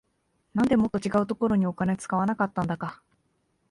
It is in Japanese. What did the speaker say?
なんでもっと違うところにお金使わなかったんだか